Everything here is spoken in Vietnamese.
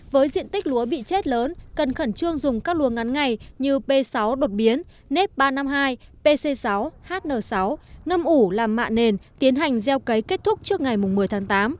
với diện tích lúa bị chết lớn cần khẩn trương dùng các luồng ngắn ngày như p sáu đột biến nếp ba trăm năm mươi hai pc sáu hn sáu ngâm ủ làm mạ nền tiến hành gieo cấy kết thúc trước ngày một mươi tháng tám